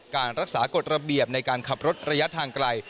การรักษากฎระเบียบในการขับรถระยะทางไกล